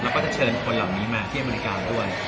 เราก็จะเชิญคนเหล่านี้มาที่บริการด้วย